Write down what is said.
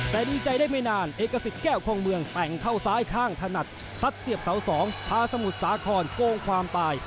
แต่ดีใจได้ไม่นานเอกสิทธิ์แก้วคงเมืองแต่งเข้าซ้ายข้างถนัดซัดเสียบเสา๒พาสมุทรสาครโกงความตาย